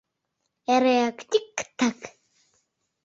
Эреак: «Тик-так!»